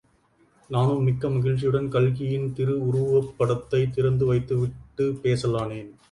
நானும் மிக்க மகிழ்ச்சியுடன் கல்கியின் திரு உருவப்படத்தைத் திறந்து வைத்து விட்டுப் பேசலானேன்.